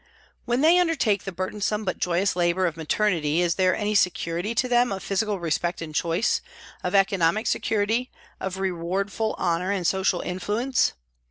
When they undertake the burdensome but joyous labour of maternity, is there any security to them of physical respect and choice, of economic security, of rewardful honour and social influence